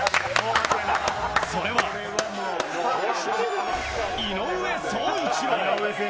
それは井上宗一郎。